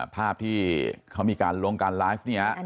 ภาพที่เขามีการลงการไลฟ์เนี่ย